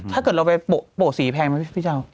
ถ้าเกิดเราไปโปะสีแพงไหมพี่เจ้า